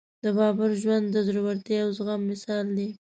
د بابر ژوند د زړورتیا او زغم مثال دی.